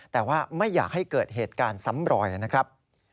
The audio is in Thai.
แต่ว่าไม่อยากให้เกิดเหตุการณ์ซ้ำรอยนะครับ